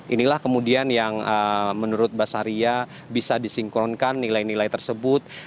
inilah kemudian yang menurut basaria bisa disinkronkan nilai nilai tersebut